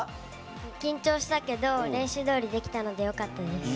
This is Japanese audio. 緊張したけど練習どおりできたのでよかったです。